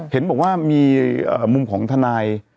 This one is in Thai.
เห็นบอกว่ามีมุมของทนาย